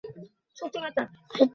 তবে, ব্যাটিংয়ে খুব কম ভূমিকা রাখেন।